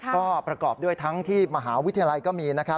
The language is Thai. ก็ประกอบด้วยทั้งที่มหาวิทยาลัยก็มีนะครับ